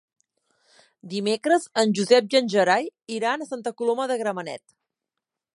Dimecres en Josep i en Gerai iran a Santa Coloma de Gramenet.